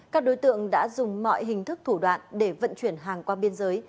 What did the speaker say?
các đối tượng đã dùng mọi hình thức thủ đoạn để vận chuyển hàng qua biên giới